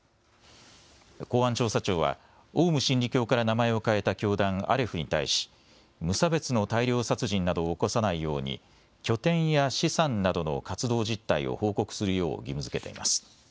公安調査庁はオウム真理教から名前を変えた教団、アレフに対し無差別の大量殺人などを起こさないように拠点や資産などの活動実態を報告するよう義務づけています。